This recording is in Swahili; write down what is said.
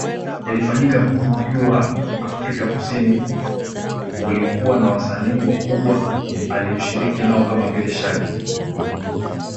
Yalifanyika mji jua Afrika Kusini kulikuwa na wasanii wakubwa aliyoshiriki nao kama vile Shaggy